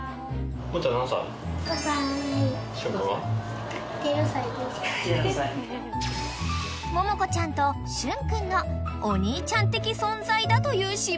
［ももこちゃんとしゅんくんのお兄ちゃん的存在だという柴犬が］